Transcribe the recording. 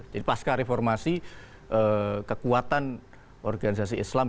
jadi paska reformasi kekuatan organisasi islam